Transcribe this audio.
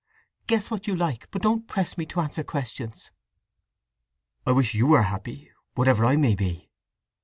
Guess what you like, but don't press me to answer questions!" "I wish you were happy, whatever I may be!"